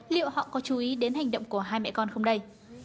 liệu họ có chú ý đến hành động của hai mẹ con không đây